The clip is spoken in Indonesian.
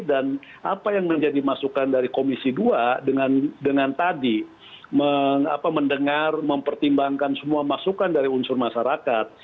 dan apa yang menjadi masukan dari komisi dua dengan tadi mendengar mempertimbangkan semua masukan dari unsur masyarakat